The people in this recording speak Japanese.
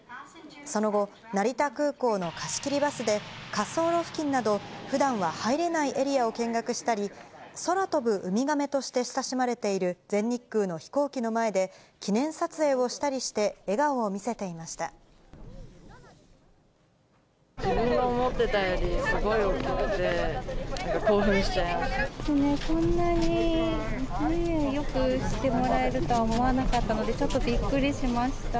その後、成田空港の貸し切りバスで、滑走路付近など、ふだんは入れないエリアを見学したり、空飛ぶウミガメとして親しまれている全日空の飛行機の前で、記念撮影をしたりして、自分の思ってたよりすごい大きくて、なんか興奮しちゃいました。